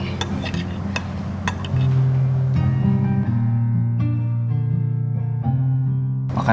makanan gue masih enak